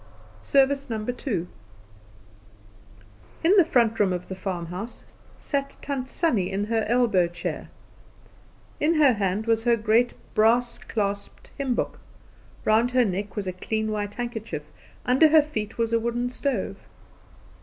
Service No. II. In the front room of the farmhouse sat Tant Sannie in her elbow chair. In her hand was her great brass clasped hymn book, round her neck was a clean white handkerchief, under her feet was a wooden stove.